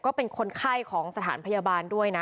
ก็เป็นคนไข้ของสถานพยาบาลด้วยนะ